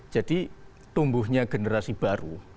jadi tumbuhnya generasi baru